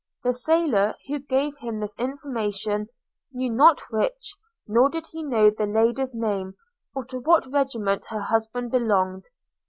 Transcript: The sailor who gave him this information knew not which, nor did he know the lady's name, or to what regiment her husband belonged.